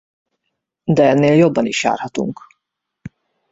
De ennél jobban is járhatunk.